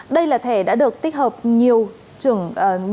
đây là thẻ đã được tích hợp nhiều trường hợp